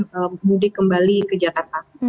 mudik kembali ke jakarta